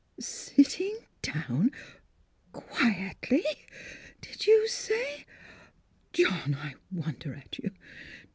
And ■—"" Sitting down — quietly, did you say.? John, I wonder at you